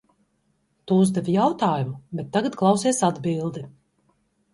Tu uzdevi jautājumu, bet tagad klausies atbildi!